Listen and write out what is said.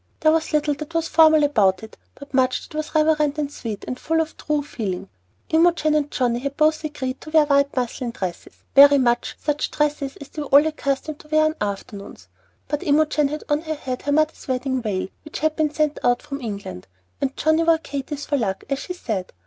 There was little that was formal about it, but much that was reverent and sweet and full of true feeling. Imogen and Johnnie had both agreed to wear white muslin dresses, very much such dresses as they were all accustomed to wear on afternoons; but Imogen had on her head her mother's wedding veil, which had been sent out from England, and John wore Katy's, "for luck," as she said.